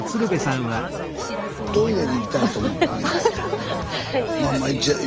トイレに行きたいと思ったんでまあまあ